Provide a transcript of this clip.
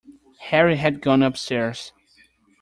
Harry had gone upstairs.